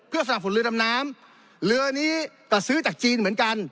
สนับสนุนเรือดำน้ำเรือนี้ก็ซื้อจากจีนเหมือนกัน